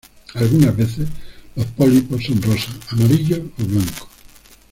Algunas veces Los pólipos son rosas, amarillos o blancos.